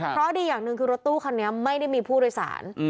เพราะดีอย่างหนึ่งคือรถตู้คันนี้ไม่ได้มีผู้โดยสาร